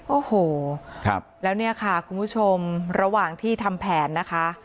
โอ้โหแล้วเนี่ยค่ะคุณผู้ชมระหว่างที่ทำแผนนะคะ